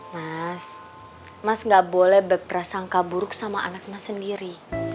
mas mas gak boleh berprasangka buruk sama anak mas sendiri